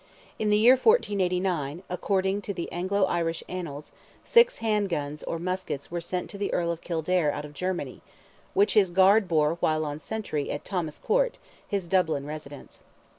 In the year 1489, according to Anglo Irish Annals, "six hand guns or musquets were sent to the Earl of Kildare out of Germany," which his guard bore while on sentry at Thomas Court—his Dublin residence.